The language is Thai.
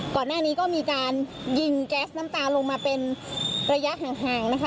ก่อนหน้านี้ก็มีการยิงแก๊สน้ำตาลงมาเป็นระยะห่างนะคะ